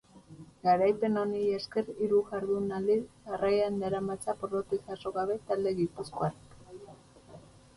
Garaipen honi esker, hiru jardunaldi jarraian daramatza porrotik jaso gabe talde gipuzkoarrak.